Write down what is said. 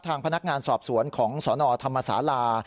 ทางพนักงานสอบสวนของสนธรรมศาลา